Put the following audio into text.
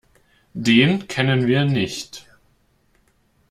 Den kennen wir nicht.